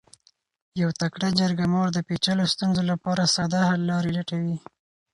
یو تکړه جرګه مار د پیچلو ستونزو لپاره ساده حل لارې لټوي.